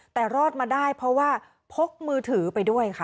แต่รอดมาได้เพราะว่าพกมือถือไปด้วยค่ะ